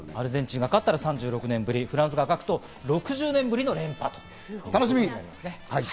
アルゼンチンが勝つと３６年ぶり、フランスが勝つと６０年ぶりの連覇となります。